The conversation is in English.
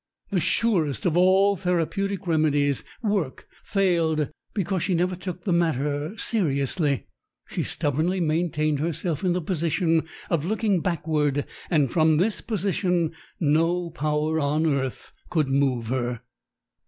The surest of all therapeutic remedies, work, failed because she never took the matter seriously. She stubbornly maintained herself in the position of looking backward, and from this position no power on earth could move her....